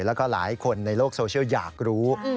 แล้วก็หลายคนในโลกโซเชียลอยากรู้